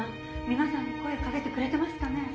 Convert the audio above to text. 皆さんに声かけてくれてますかね。